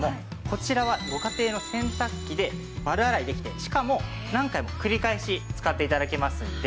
こちらはご家庭の洗濯機で丸洗いできてしかも何回も繰り返し使って頂けますので。